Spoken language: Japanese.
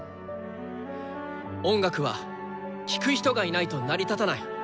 音楽は聴く人がいないと成り立たない。